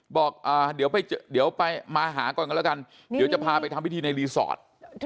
บอกเดี๋ยวไปมาหาก่อนกันแล้วกันเดี๋ยวจะพาไปทำพิธีในรีสอร์ท